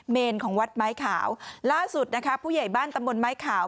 เนรของวัดไม้ขาวล่าสุดนะคะผู้ใหญ่บ้านตำบลไม้ขาว